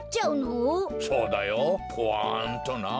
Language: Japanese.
そうだよポワンとな。